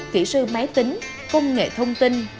kỹ sư máy tính công nghệ thông tin